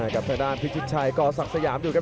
กับทางด้านพิชิชัยก่อสักสยามอยู่ครับ